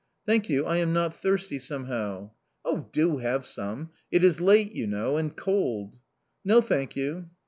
"Thank you. I am not thirsty, somehow." "Oh, do have some! It is late, you know, and cold!" "No, thank you"...